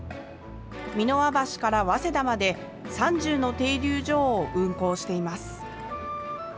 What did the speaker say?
三ノ輪橋から早稲田まで３０の停留場を運行しています。